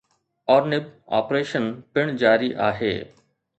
Ornib operation پڻ جاري آهي.